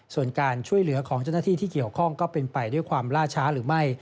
ส่วนการช่วยเหลือของเจ้าหน้าที่ที่เกี่ยวข้องก็เป็นไปด้วยความล่าช้าหรือไม่